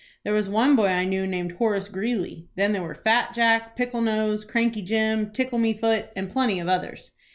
There was one boy I knew named 'Horace Greeley'. Then there were 'Fat Jack,' 'Pickle Nose,' 'Cranky Jim,' 'Tickle me foot,' and plenty of others.